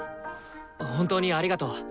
本当にありがとう。